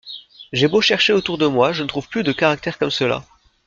J'ai beau chercher autour de moi, je ne trouve plus de caractères comme ceux-là...